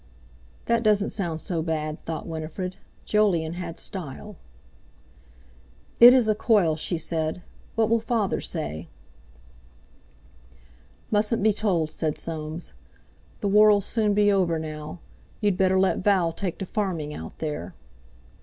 "That doesn't sound so bad," thought Winifred. "Jolyon had style." "It is a coil," she said. "What will father say? "Mustn't be told," said Soames. "The war'll soon be over now, you'd better let Val take to farming out there."